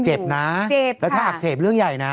เจ็บนะแล้วถ้าอับเสร็จเรื่องใหญ่นะ